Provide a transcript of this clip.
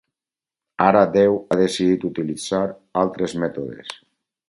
Ara Déu ha decidit utilitzar altres mètodes.